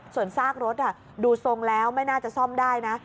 ส่วนซากรถดูทรงแล้วไม่น่าจะซ่อมได้นะ